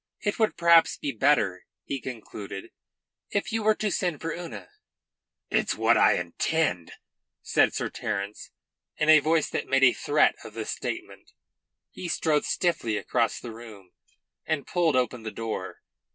It would perhaps be better," he concluded, "if you were to send for Una." "It's what I intend," said Sir Terence in a voice that made a threat of the statement. He strode stiffly across the room and pulled open the door.